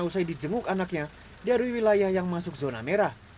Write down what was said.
usai dijenguk anaknya dari wilayah yang masuk zona merah